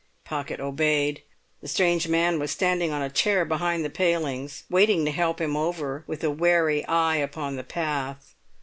Pocket obeyed. The strange man was standing on a chair behind the palings, waiting to help him over, with a wary eye upon the path.